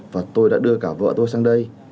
và tôi đã đưa cả vợ tôi sang đây